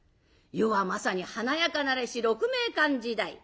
世はまさに華やかなりし鹿鳴館時代。